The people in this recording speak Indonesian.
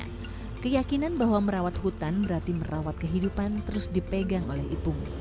dan kemudian kemudian kembali ke bidang kehidupan terus dipegang oleh ipung